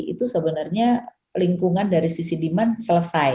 itu sebenarnya lingkungan dari sisi demand selesai